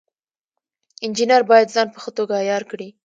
انجینر باید ځان په ښه توګه عیار کړي.